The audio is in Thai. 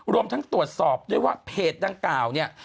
รวมทั้งตรวจสอบด้วยว่าเพจดังกล่าวเนี่ย